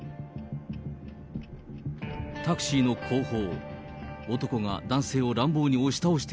タクシーの後方。